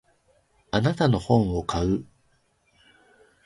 あなたの本を買う。